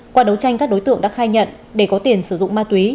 qua đấu tranh các đối tượng đã khai nhận để có tiền sử dụng ma túy